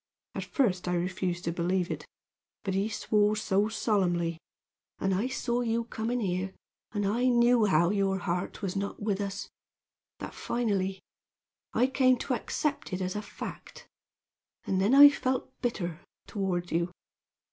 At first I refused to believe it, but he swore so solemnly and I saw you coming here, and I knew how your heart was not with us that finally, I came to accept it as a fact, and then I felt bitter toward you.